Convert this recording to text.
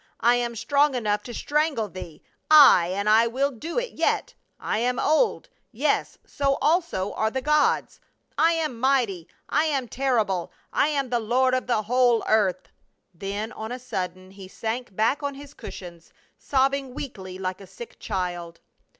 I am strong enough to strangle thee. Ay, and I will do it yet. I am old — yes, so also are the gods. I am mighty — I am terri ble. I am the lord of the whole earth." Then on a sudden he sank back on his cushions, sobbing weakly like a sick child.